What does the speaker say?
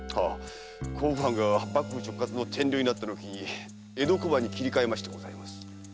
甲府藩が幕府直轄の天領になったのを機に江戸小判に切り替えましてございます。